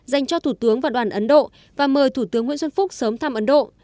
dành cho thủ tướng và đoàn ấn độ và mời thủ tướng nguyễn xuân phúc sớm thăm ấn độ